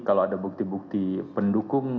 kalau ada bukti bukti pendukung